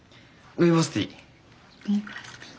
ルイボスティー。